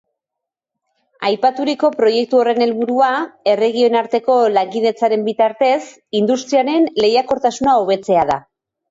Aipaturiko proiektu horren helburua erregioen arteko lankidetzaren bitartez industriaren lehiakortasuna hobetzea da.